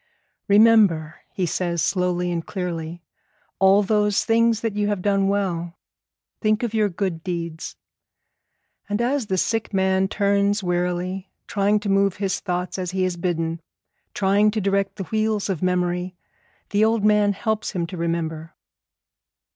'Remember,' he says slowly and clearly, 'all those things that you have done well. Think of your good deeds.' And as the sick man turns wearily, trying to move his thoughts as he is bidden, trying to direct the wheels of memory, the old man helps him to remember.